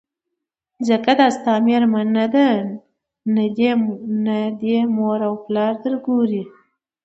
ځکه دا ستا مېرمن نه ده نه دي مور او پلار درګوري